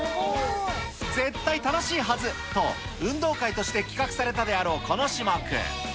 絶対楽しいはずと、運動会として企画されたであろうこの種目。